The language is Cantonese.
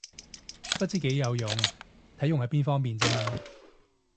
不知幾有用，睇用喺邊方面咋嘛